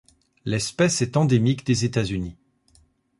L'espèce est endémique des États-Unis.